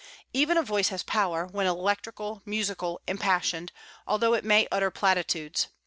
Even a voice has power, when electrical, musical, impassioned, although it may utter platitudes.